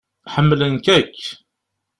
Ḥemmlen-k akk.